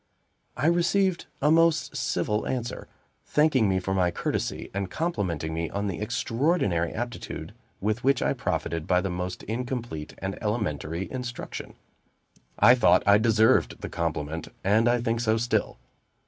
I received a most civil answer, thanking me for my courtesy, and complimenting me on the extraordinary aptitude with which I profited by the most incomplete and elementary instruction. I thought I deserved the compliment, and I think so still.